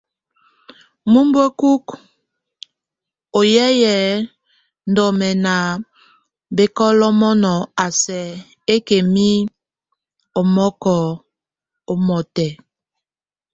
Numbuekuk ɔ yáye ndɔme nábekolomon a sɛk ɛ́kɛ mí ɔŋgɔk ɔmɔtɛk.